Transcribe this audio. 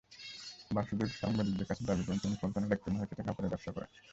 বাসেদুর সাংবাদিকদের কাছে দাবি করেন, তিনি পল্টনের একটি মার্কেটে কাপড়ের ব্যবসা করেন।